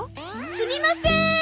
すみませーん！